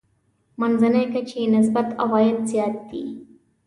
منځنۍ کچې نسبت عوايد زیات دي.